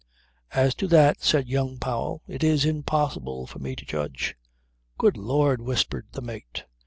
"As to that," said young Powell, "it is impossible for me to judge." "Good Lord!" whispered the mate.